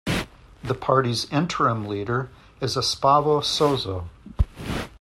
The party's interim leader is Espavo Sozo.